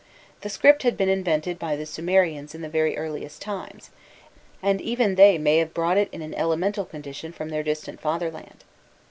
The script had been invented by the Sumerians in the very earliest times, and even they may have brought it in an elemental condition from their distant fatherland.